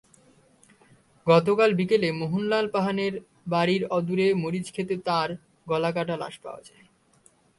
গতকাল বিকেলে মোহনলাল পাহানের বাড়ির অদূরে মরিচখেতে তাঁর গলাকাটা লাশ পাওয়া যায়।